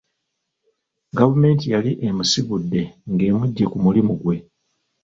Gavumenti yali emusigudde ng'emujje ku mulimu ggwe.